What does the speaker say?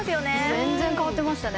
全然変わってましたね